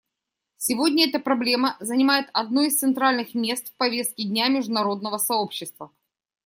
Сегодня эта проблема занимает одно из центральных мест в повестке дня международного сообщества.